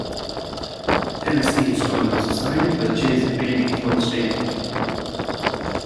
The Tennessee Historical Society purchased the painting for the state.